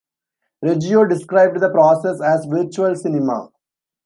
Reggio described the process as "virtual cinema".